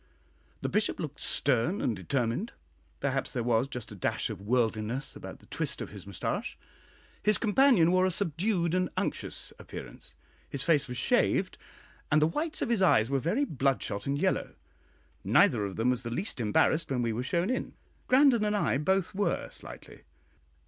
The Bishop looked stern and determined; perhaps there was just a dash of worldliness about the twist of his mustache. His companion wore a subdued and unctuous appearance; his face was shaved; and the whites of his eyes were very bloodshot and yellow. Neither of them was the least embarrassed when we were shown in; Grandon and I both were slightly.